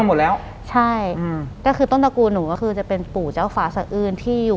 หลังจากนั้นเราไม่ได้คุยกันนะคะเดินเข้าบ้านอืม